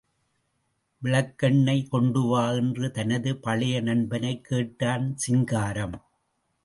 விளக்கெண்ணெய் கொண்டு வா என்று தனது பழைய நண்பனைக் கேட்டான் சிங்காரம்.